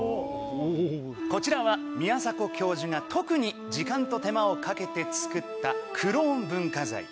こちらは宮廻教授が特に時間と手間をかけて造ったクローン文化財。